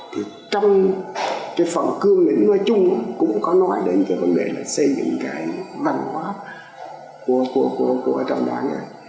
thì trong cái phần cương lĩnh nói chung cũng có nói đến cái vấn đề là xây dựng cái văn hóa của trong đảng này